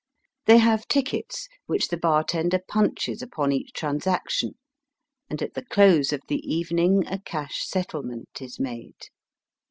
They have tickets, which the bar tender punches upon each transaction, and at the close of the evening a cash settlement is made.